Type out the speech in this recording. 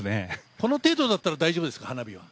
この程度だったら大丈夫ですか、花火は。